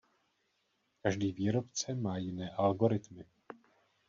Každý výrobce má jiné algoritmy.